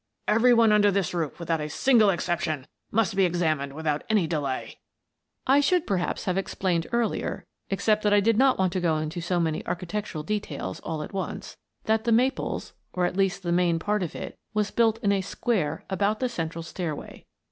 Every one under this roof, without a single exception, must be examined without any delay." I should, perhaps, have explained earlier — ex cept that I did not want to go into so many archi tectural details all at once — that "The Maples," or at least the main part of it, was built in a square about the central stairway.